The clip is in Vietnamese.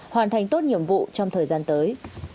hoàn thành tốt nhiệm vụ trong thời gian tới